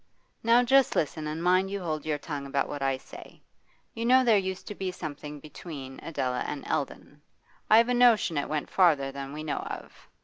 Now just listen, and mind you hold your tongue about what I say. You know there used to be something between Adela and Eldon. I've a notion it went farther than we know of.